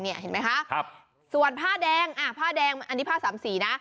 เห็นไหมคะส่วนผ้าแดงอันนี้ผ้า๓สีนะ